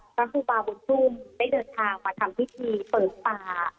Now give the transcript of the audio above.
พระครูบาบุญชุ่มได้เดินทางมาทำพิธีเปิดป่า